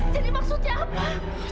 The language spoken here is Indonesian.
jadi maksudnya apa